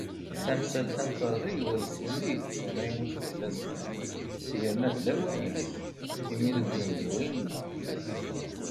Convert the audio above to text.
Tamsalt-a n terɣi ur telli d tamaynut fell-asen, yerna d lawan-is, imi deg unebdu i nella.